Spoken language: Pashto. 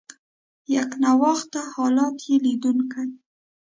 یکنواخته حالت یې لیدونکي.